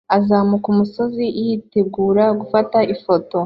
Uzamuka umusozi yitegura gufata ifoto